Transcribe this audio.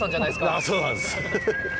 いやそうなんです。